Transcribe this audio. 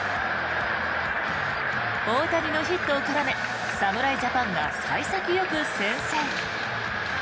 大谷のヒットを絡め侍ジャパンが幸先よく先制。